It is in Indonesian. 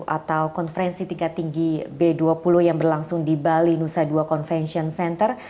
atau konferensi tingkat tinggi b dua puluh yang berlangsung di bali nusa dua convention center